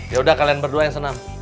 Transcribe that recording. ya udah kalian berdua yang senam